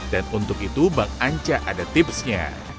dan untuk itu bang anca ada tipsnya